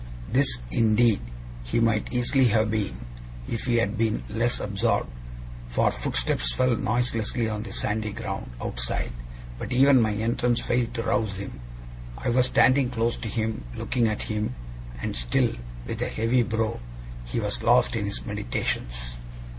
This, indeed, he might easily have been if he had been less absorbed, for footsteps fell noiselessly on the sandy ground outside; but even my entrance failed to rouse him. I was standing close to him, looking at him; and still, with a heavy brow, he was lost in his meditations.